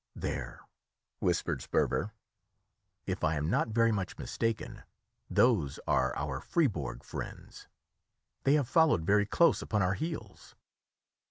"There," whispered Sperver, "if I am not very much mistaken, those are our Fribourg friends; they have followed very close upon our heels."